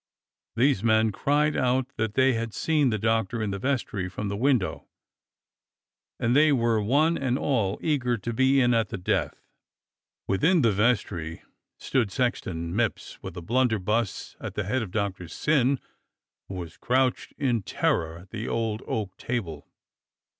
These men cried out that they had seen the Doctor in the vestry from the window, and they were one and all eager to be in at the death. Within the vestry stood Sexton Mipps with a blun derbuss at the head of Doctor Syn, who was crouched in terror at the old oak table.